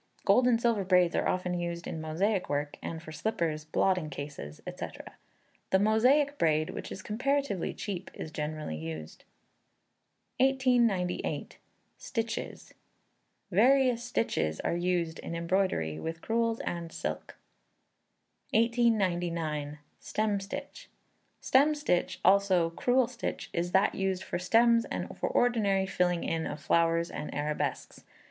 Gold and silver braids are often used in Mosaic work, and for slippers, blotting cases, &c. The Mosaic braid, which is comparatively cheap, is generally used. 1898. Stitches. Various stitches are used in embroidery with crewels and silk. 1899. Stem Stitch. Stem stitch, also Crewel stitch, is that used for stems and for ordinary filling in of flowers and arabesques.